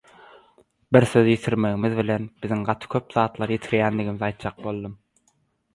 Bir sözi ýitirmegimiz bilen biziň gaty köp zatlary ýitirýändigimizi aýtjak boldum.